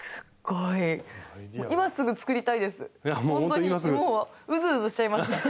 ほんとにもううずうずしちゃいました。